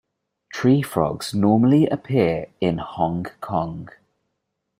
Tree Frogs normally appear in Hong Kong.